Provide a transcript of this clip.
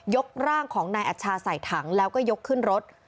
ร่างของนายอัชชาใส่ถังแล้วก็ยกขึ้นรถ